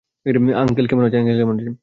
Uncle, কেমন আছেন?